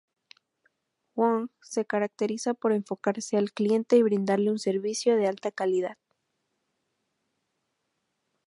Wong se caracteriza por enfocarse al cliente y brindarle un servicio de alta calidad.